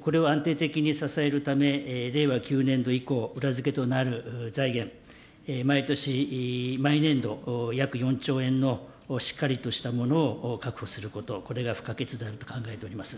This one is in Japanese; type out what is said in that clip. これを安定的に支えるため、令和９年度以降、裏付けとなる財源、毎年、毎年度約４兆円のしっかりとしたものを確保すること、これが不可欠であると考えております。